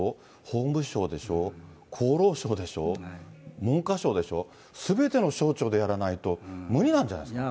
法務省でしょ、厚労省でしょ、文科省でしょ、すべての省庁でやらないと、無理なんじゃないですか。